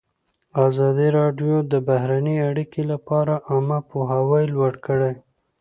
ازادي راډیو د بهرنۍ اړیکې لپاره عامه پوهاوي لوړ کړی.